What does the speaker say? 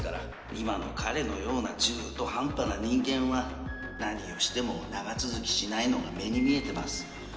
今の彼のような中途半端な人間は何をしても長続きしないのが目に見えてます。